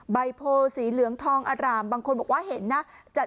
ใบโพสีเหลืองทองอร่ามบางคนบอกว่าเห็นนะ